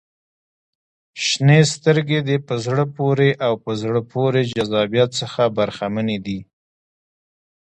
• شنې سترګې د په زړه پورې او په زړه پورې جذابیت څخه برخمنې دي.